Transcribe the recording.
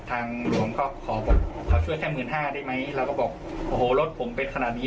ทางหลวงก็ขอช่วยแค่หมื่นห้าได้ไหมเราก็บอกโอ้โหรถผมเป็นขนาดนี้